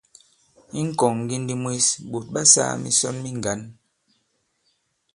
I ŋ̀kɔ̀ŋŋgindi mwes, ɓòt ɓa sāā misɔn mi ŋgǎn.